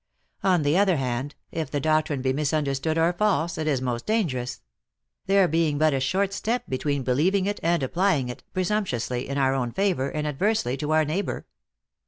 On the other hand, if the doctrine be misunderstood or false, it is most dangerous ; there being but a short step be tween believing it and applying it, presumptuously, in our own favor, and adversely to our neighbor.